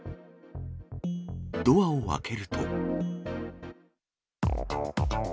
ドアを開けると。